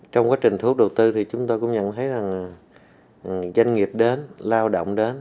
trong quá trình thuốc đầu tư thì chúng tôi cũng nhận thấy rằng doanh nghiệp đến lao động đến